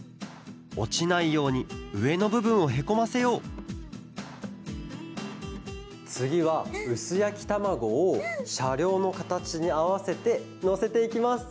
おちないようにうえのぶぶんをへこませようつぎはうすやきたまごをしゃりょうのかたちにあわせてのせていきます。